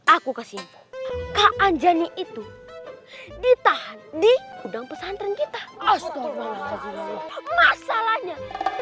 aku kasih anjani itu ditahan di udang pesantren kita masalahnya